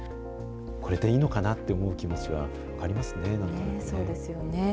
これでいいのかなって思う気持ちは分かりますそうですよね。